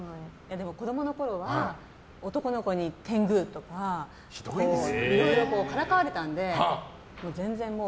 でも子供のころは男の子に、天狗！とかいろいろからかわれたので全然、もう。